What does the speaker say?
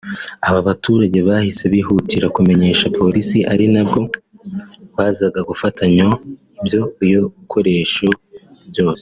aba baturage bahise bihutira kumenyesha Polisi ari nabwo bazaga gufatanywa ibyo bikoresho byose